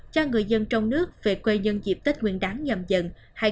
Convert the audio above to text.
cho người dân trong nước về quê nhân dịp tết nguyên đáng nhầm dần hai nghìn hai mươi hai